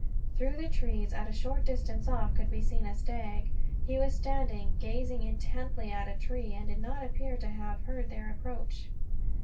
Through the trees, at a short distance off, could be seen a stag. He was standing, gazing intently at a tree, and did not appear to have heard their approach.